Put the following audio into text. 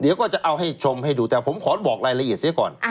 เดี๋ยวก็จะเอาให้ชมให้ดูแต่ผมขอบอกรายละเอียดเสียก่อน